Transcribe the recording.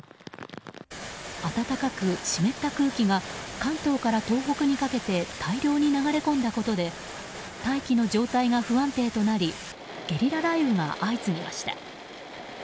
暖かく湿った空気が関東から東北にかけて大量に流れ込んだことで大気の状態が不安定となりゲリラ雷雨が相次ぎました。